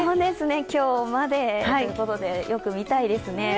今日までということで、よく見たいですね。